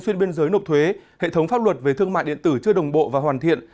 xuyên biên giới nộp thuế hệ thống pháp luật về thương mại điện tử chưa đồng bộ và hoàn thiện